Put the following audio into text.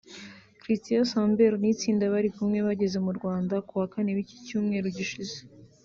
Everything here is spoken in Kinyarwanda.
Cristián Samper n’itsinda bari kumwe bageze mu Rwanda kuwa Kane w’icyumweru gishize